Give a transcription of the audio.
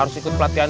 bisa besar sekali kan